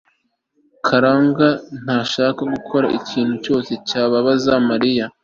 karangwa ntashaka gukora ikintu cyose cyababaza mariya